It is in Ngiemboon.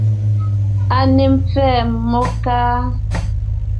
A ne mpfɛ́ɛ mmó, káá?